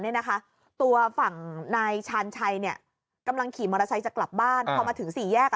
เนี่ยนะคะตัวฝั่งนายชาญชัยเนี่ยกำลังขี่มอเตอร์ไซค์จะกลับบ้านพอมาถึงสี่แยกอ่ะ